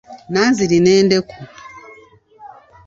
Nanziri n'endeku.